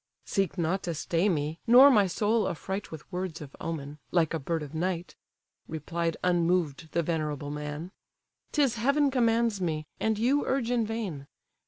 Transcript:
"Seek not to stay me, nor my soul affright With words of omen, like a bird of night, (Replied unmoved the venerable man;) 'Tis heaven commands me, and you urge in vain.